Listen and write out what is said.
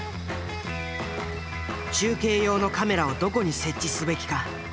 中継用のカメラをどこに設置すべきか？